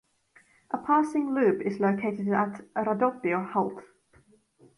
A passing loop is located at "Radoppio" halt.